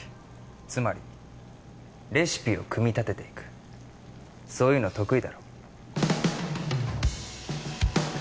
つまりレシピを組み立てていくそういうの得意だろ